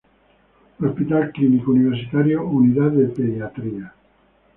Hospital Clínico Universitario, Unidad de Pediatría.